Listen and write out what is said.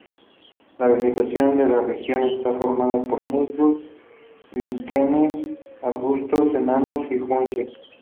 La vegetación de la región está formada por musgos, líquenes, arbustos enanos y juncia.